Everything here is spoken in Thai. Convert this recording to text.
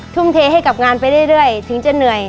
ทุ่มเทให้กับงานไปเรื่อยถึงจะเหนื่อย